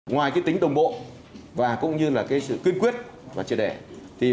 ngoài tính đồng bộ và cũng như sự kiên quyết và triệt đẻ